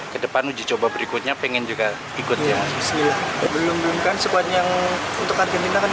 ke depan uji coba berikutnya pengen juga ikut ya belum belumkan sekuatnya untuk argentina kan